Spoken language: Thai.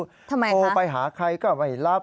ทำไมโทรไปหาใครก็ไม่รับ